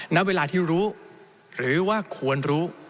ณเวลาที่รู้หรือว่าควรรู้